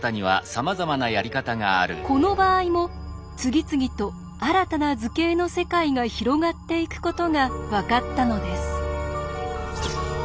この場合も次々と新たな図形の世界が広がっていくことが分かったのです。